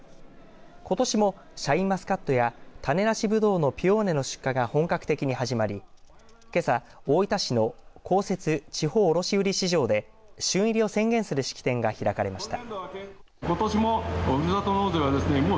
ことしも、シャインマスカットや種なしぶどうのピオーネの出荷が本格的に始まりけさ大分市の公設地方卸売市場で旬入りを宣言する式典が開かれました。